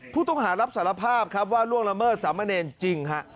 ผู้ต้องหารับสารภาพว่าร่วงละเมิดสามเมอเดนจริง